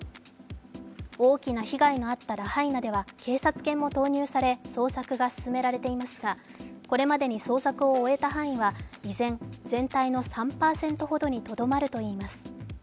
大きな被害のあったラハイナでは警察犬も投入され、捜索が進められていますがこれまでに捜索を終えた範囲は依然、全体の３％ほどにとどまるといいます。